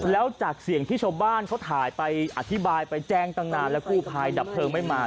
แล้วจากเสียงที่ชาวบ้านเขาถ่ายไปอธิบายไปแจ้งตั้งนานแล้วกู้ภัยดับเพลิงไม่มา